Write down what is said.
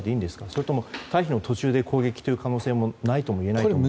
それとも、退避の途中で攻撃の可能性もないともいえないですか？